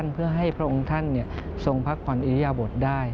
เพื่อให้พระองค์ท่านทรงพักผ่อนอิริยบทได้